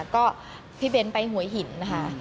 ก็พี่เบนท์ไปหวยหินนะคะ